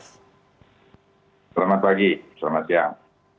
selamat pagi selamat siang